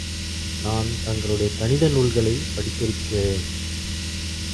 நான் தங்களுடைய கணித நூல்களைப் படித்திருக்கிறேன்.